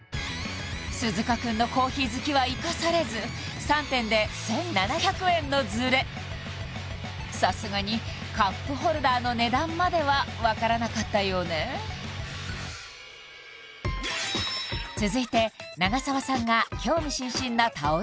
鈴鹿くんのコーヒー好きは生かされず３点で１７００円のズレさすがにカップホルダーの値段までは分からなかったようね続いてえーまさみ